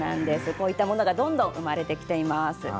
こういうものがどんどん生まれてきています。